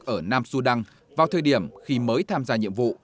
ở nam sudan vào thời điểm khi mới tham gia nhiệm vụ